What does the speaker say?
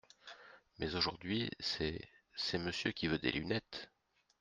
Mais aujourd’hui, c’est… c’est monsieur qui veut des lunettes !…